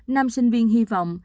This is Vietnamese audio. nam sinh viên hy vọng